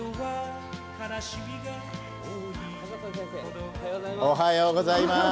若狭先生、おはようございます。